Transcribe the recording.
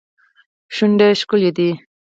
شونډه ښکلې دي.